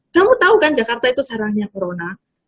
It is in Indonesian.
kamu tahu kan jakarta itu sarangnya corona